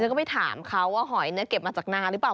ก็ไปถามเขาว่าหอยเก็บมาจากนาหรือเปล่า